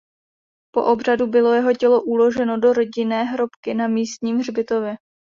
Po obřadu bylo jeho tělo uloženo do rodinné hrobky na místním hřbitově.